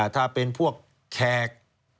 ถ้าเป็นพวกแขก